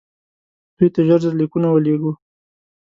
دوی ته ژر ژر لیکونه ولېږو.